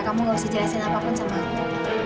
kamu gak usah jelasin apapun sama aku